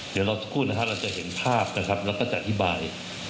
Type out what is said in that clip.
เดี๋ยวทุกคนเราจะเห็นภาพกันแล้วก็จะอธิบาย